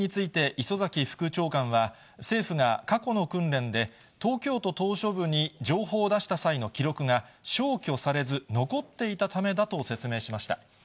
この原因について、磯崎副長官は、政府が過去の訓練で、東京都島しょ部に情報を出した際の記録が消去されず残っていたためだと説明しました。